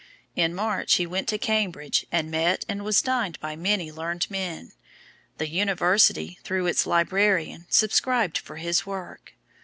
In March he went to Cambridge and met and was dined by many learned men. The University, through its Librarian, subscribed for his work.